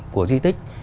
của di tích